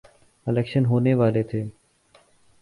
election ہونے والے تھے